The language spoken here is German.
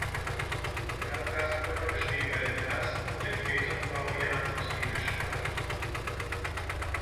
Die Abgaskrümmer bestehen bei den ersten und den späteren Baujahren aus Edelstahl.